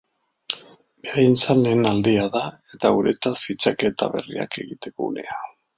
Beraientzat lehen aldia da eta guretzat fitxaketa berriak egiteko unea.